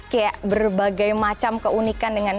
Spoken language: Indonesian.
kayak berbagai macam keunikan